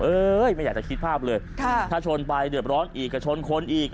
ไม่อยากจะคิดภาพเลยถ้าชนไปเดือดร้อนอีกก็ชนคนอีก